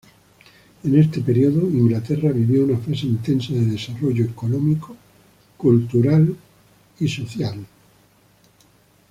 En este periodo, Inglaterra vivió una fase intensa de desarrollo económico, cultural y social.